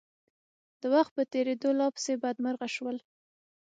د وخت په تېرېدو لا پسې بدمرغه شول.